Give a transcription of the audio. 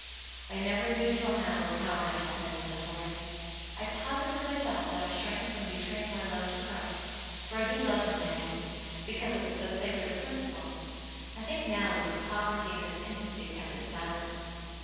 " I never knew till now what a coward I had been," said Horace. " I positively thought that I shrank from betraying my love to Christ — for I do love Him, Maggie !— because it was so sacred a principle. I think now that its poverty and its infancy kept it silent."